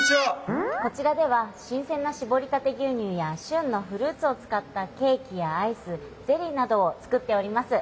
こちらでは新せんなしぼりたて牛乳やしゅんのフルーツをつかったケーキやアイスゼリーなどをつくっております。